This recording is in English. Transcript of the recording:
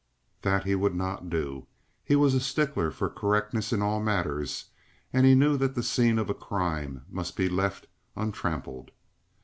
That he would not do. He was a stickler for correctness in all matters, and he knew that the scene of a crime must be left untrampled.